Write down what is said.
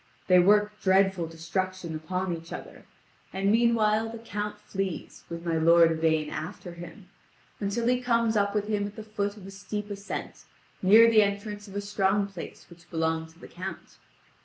They work dreadful destruction upon each other; and meanwhile the Count flees with my lord Yvain after him, until he comes up with him at the foot of a steep ascent, near the entrance of a strong place which belonged to the Count.